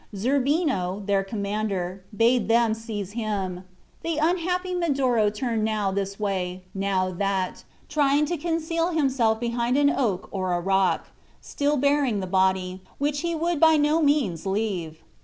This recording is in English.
Zerbino, their commander, bade them seize him. The unhappy Medoro turned now this way, now that, trying to conceal himself behind an oak or a rock, still bearing the body, which he would by no means leave.